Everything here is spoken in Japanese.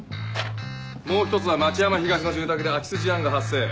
もう１つは町山東の住宅で空き巣事案が発生。